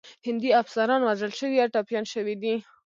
هندي افسران وژل شوي او ټپیان شوي دي.